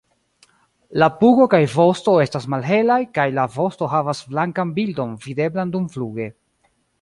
La pugo kaj vosto estas malhelaj, kaj la vosto havas blankan bildon videblan dumfluge.